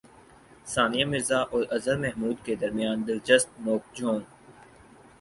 ثانیہ مرزا اور اظہر محمود کے درمیان دلچسپ نوک جھونک